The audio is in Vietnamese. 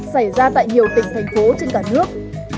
xảy ra tại nhiều tỉnh thành phố trên cả nước